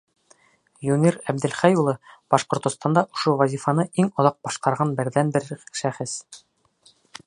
Юнир Әбделхәй улы — Башҡортостанда ошо вазифаны иң оҙаҡ башҡарған берҙән-бер шәхес.